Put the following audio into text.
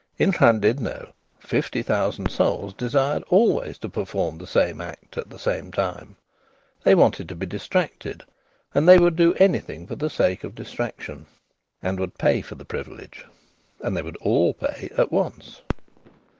In Llandudno fifty thousand souls desired always to perform the same act at the same time; they wanted to be distracted and they would do anything for the sake of distraction, and would pay for the privilege. And they would all pay at once.